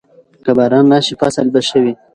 که باران راشي، فصل به ښه وي.